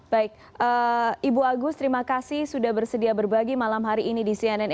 baik ibu agus terima kasih sudah bersedia berbagi malam hari ini di cnn indonesia